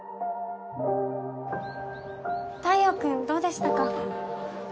太陽君どうでしたか？